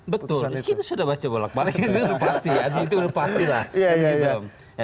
betul itu sudah baca bolak balik itu sudah pasti lah